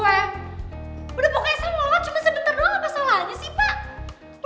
udah pokoknya saya mau lewat cuma sebentar doang apa salahnya sih pak